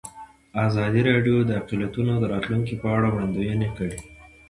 ازادي راډیو د اقلیتونه د راتلونکې په اړه وړاندوینې کړې.